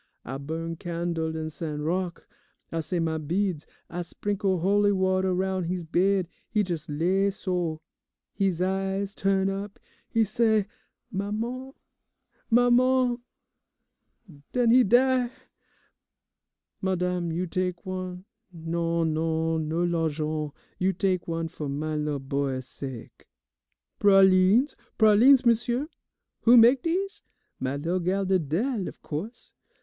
I burn candle in St. Rocque, I say my beads, I sprinkle holy water roun' he's bed; he jes' lay so, he's eyes turn up, he say 'Maman, maman,' den he die! Madame, you tak' one. Non, non, no l'argent, you tak' one fo' my lil' boy's sake. "Pralines, pralines, m'sieu? Who mak' dese? My lil' gal, Didele, of co'se.